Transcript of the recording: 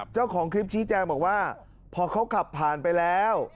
เจ้าของคลิปชี้แจงบอกว่าพอเขาขับผ่านไปแล้ว